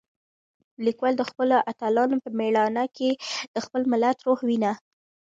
لیکوال د خپلو اتلانو په مېړانه کې د خپل ملت روح وینه.